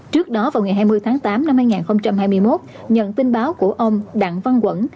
trước đó vào ngày hai mươi tháng tám năm hai nghìn hai mươi một nhận tin báo của ông đặng văn quẩn